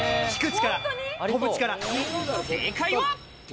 正解は。